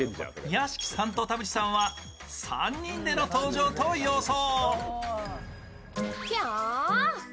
屋敷さんと田渕さんは３人での登場と予想。